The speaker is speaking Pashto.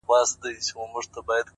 • بورا به څنګه د اغزیو له آزاره څارې ,